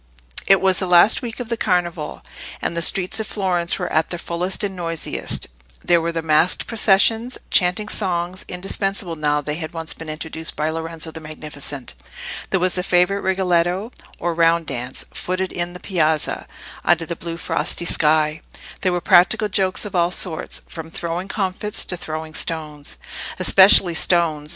It was the last week of the Carnival, and the streets of Florence were at their fullest and noisiest: there were the masqued processions, chanting songs, indispensable now they had once been introduced by Lorenzo the Magnificent; there was the favourite rigoletto, or round dance, footed "in piazza" under the blue frosty sky; there were practical jokes of all sorts, from throwing comfits to throwing stones—especially stones.